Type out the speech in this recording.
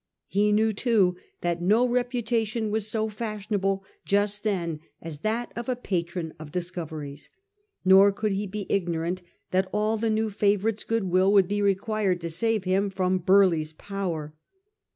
He knew, too, that no reputation was so fashionable just then as that of a patron of discoveries, nor could he be ignorant that all the new favourite's goodwill would be required to save him from Burleigh's power.